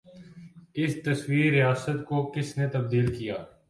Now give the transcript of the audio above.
اس تصور ریاست کو کس نے تبدیل کیا؟